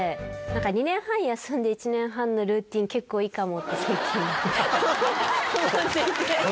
２年半休んで１年半のルーティン結構いいかもって最近。